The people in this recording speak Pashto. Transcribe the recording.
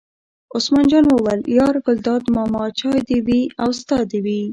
عثمان جان وویل: یار ګلداد ماما چای دې وي او ستا دې وي.